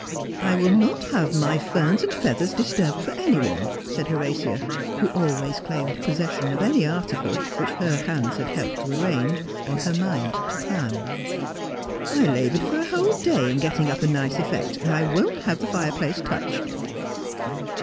* I will not have my ferns and feathers disturbed for any one,' said Horatia, who always claimed possession of any article which her hands had helped to arrange, or her mind to plan. ' I laboured for a whole day in getting up a nice effect, and I won't have the fireplace touched.'